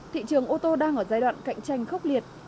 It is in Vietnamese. thị trường ô tô đang ở giai đoạn cạnh tranh khốc liệt